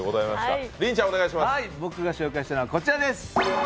僕が紹介したいのはこちらです。